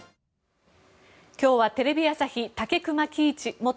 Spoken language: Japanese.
今日はテレビ朝日武隈喜一元